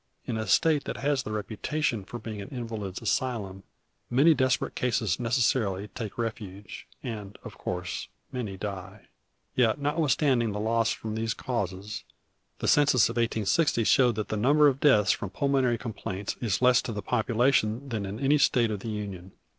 In a State that has the reputation of being an invalid's asylum, many desperate cases necessarily take refuge, and, of course, many die. Yet, notwithstanding the loss from these causes, the census of 1860 showed that the number of deaths from pulmonary complaints is less to the population than in any State of the Union.